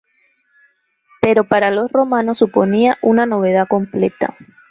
Pero para los romanos suponía una novedad completa.